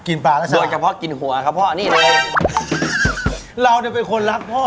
กินปลาด้วยฉ่ะโดยเฉพาะกินหัวครับพ่อนี่นะครับโห